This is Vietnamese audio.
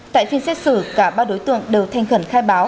tại phiên xét xử cả ba đối tượng đều thanh khẩn khai báo